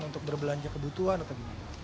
untuk berbelanja kebutuhan atau gimana